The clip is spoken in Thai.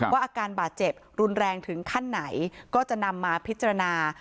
อาการบาดเจ็บรุนแรงถึงขั้นไหนก็จะนำมาพิจารณา